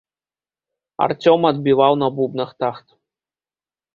Арцём адбіваў на бубнах тахт.